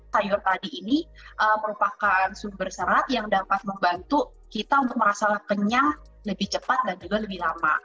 sayur tadi ini merupakan sumber serat yang dapat membantu kita untuk merasa kenyang lebih cepat dan juga lebih lama